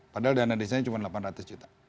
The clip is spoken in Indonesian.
padahal dana desanya cuma delapan ratus juta